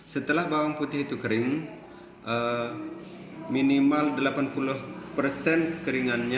setelah bawang putih itu kering minimal delapan puluh persen kekeringannya